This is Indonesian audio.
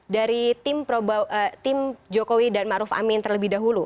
dari tim jokowi dan marufame